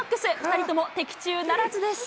２人とも的中ならずです。